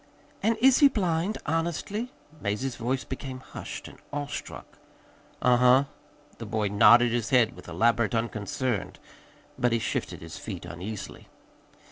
"And is he blind, honestly?" Mazie's voice became hushed and awestruck. "Uh huh." The boy nodded his head with elaborate unconcern, but he shifted his feet uneasily.